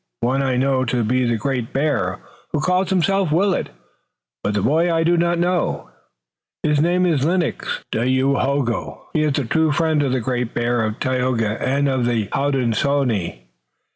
One I know to be the Great Bear who calls himself Willet, but the boy I know not." "His name is Lennox, O Dayohogo. He is the true friend of the Great Bear, of Tayoga and of the Hodenosaunee.